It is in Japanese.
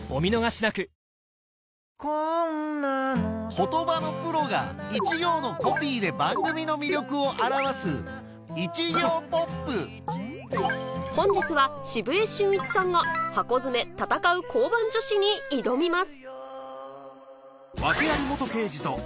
言葉のプロが一行のコピーで番組の魅力を表す本日は澁江俊一さんが『ハコヅメたたかう！交番女子』に挑みます